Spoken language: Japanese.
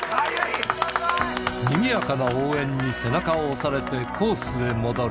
にぎやかな応援に背中を押されてコースへ戻る。